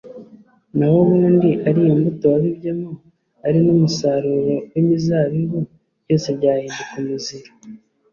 naho ubundi, ari iyo mbuto wabibyemo, ari n’umusaruro w’imizabibu, byose byahinduka umuziro